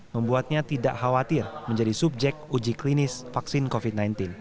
membuatnya tidak khawatir menjadi subjek uji klinis vaksin covid sembilan belas